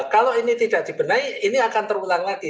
kalau ini tidak dibenahi ini akan terulang lagi